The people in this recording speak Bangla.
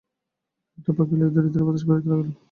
একটি পাখা লইয়া ধীরে ধীরে বাতাস করিতে লাগিল।